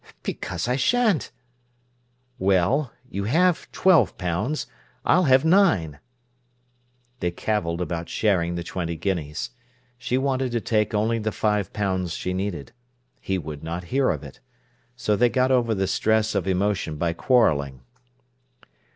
"Because I shan't." "Well—you have twelve pounds, I'll have nine." They cavilled about sharing the twenty guineas. She wanted to take only the five pounds she needed. He would not hear of it. So they got over the stress of emotion by quarrelling.